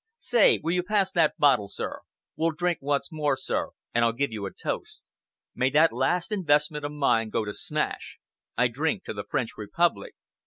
Say, will you pass that bottle, sir? We'll drink once more, sir, and I'll give you a toast. May that last investment of mine go to smash! I drink to the French Republic!"